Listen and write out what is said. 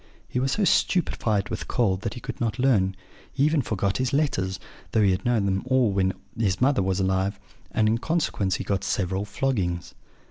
He was so stupefied with cold that he could not learn; he even forgot his letters, though he had known them all when his mother was alive; and, in consequence, he got several floggings.